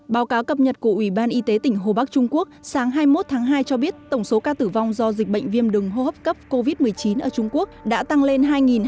báo cáo cập nhật của ủy ban y tế tỉnh hồ bắc trung quốc sáng hai mươi một tháng hai cho biết tổng số ca tử vong do dịch bệnh viêm đường hô hấp cấp covid một mươi chín ở trung quốc đã tăng lên hai ba trăm ba